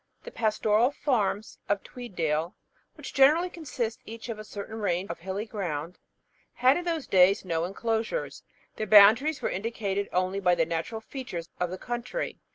The pastoral farms of Tweeddale, which generally consist each of a certain range of hilly ground, had in those days no enclosures: their boundaries were indicated only by the natural features of the country.